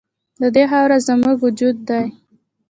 د دې خاوره زموږ وجود دی